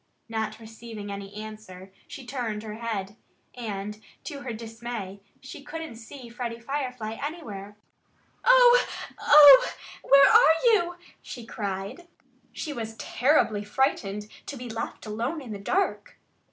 Not receiving any answer, she turned her head. And to her dismay, she couldn't see Freddie Firefly anywhere. "Oh! Oh! Where are you?" she cried. She was terribly frightened to be left alone in the dark.